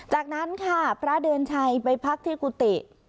จากนั้นค่ะพระเดือนชัยไปพักที่กุฏิ